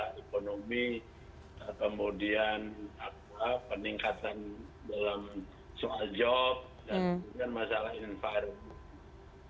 ekonomi kemudian peningkatan dalam soal job dan kemudian masalah environment